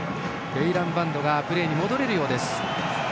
ベイランバンドがプレーに戻れるようです。